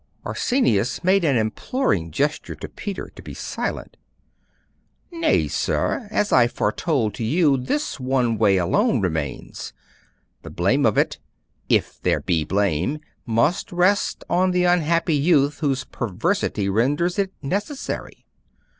Arsenius made an imploring gesture to Peter to be silent. 'Nay, sir. As I foretold to you, this one way alone remains; the blame of it, if there be blame, must rest on the unhappy youth whose perversity renders it necessary.